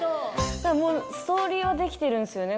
もうストーリーはできてるんすよね。